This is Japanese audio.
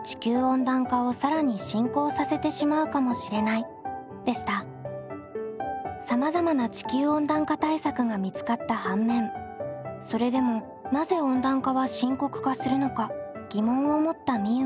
ステップ①でみゆみゆが設定した課題はさまざまな地球温暖化対策が見つかった反面それでもなぜ温暖化は深刻化するのか疑問を持ったみゆみゆ。